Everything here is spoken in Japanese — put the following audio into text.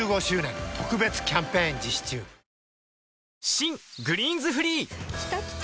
新「グリーンズフリー」きたきた！